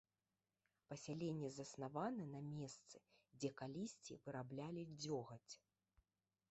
Пасяленне заснавана на месцы, дзе калісьці выраблялі дзёгаць.